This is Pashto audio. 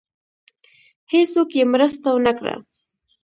هېڅوک یې مرسته ونه کړه.